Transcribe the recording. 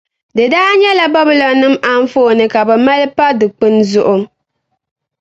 Di daa nyɛla Babilɔnnima anfooni ka bɛ mali pa dukpina zuɣu.